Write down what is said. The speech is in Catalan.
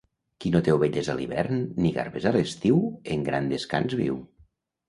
Qui no té ovelles a l'hivern ni garbes a l'estiu en gran descans viu.